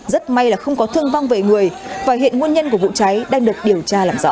rất may là không có thương vong về người và hiện nguồn nhân của vụ cháy đang được điều tra làm rõ